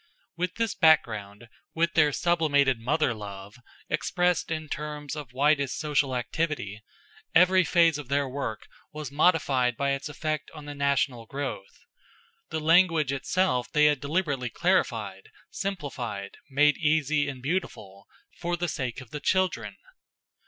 With this background, with their sublimated mother love, expressed in terms of widest social activity, every phase of their work was modified by its effect on the national growth. The language itself they had deliberately clarified, simplified, made easy and beautiful, for the sake of the children.